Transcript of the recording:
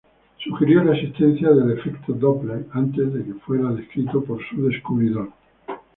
Sugirió la existencia del efecto Doppler antes de que fuera descrito por su descubridor.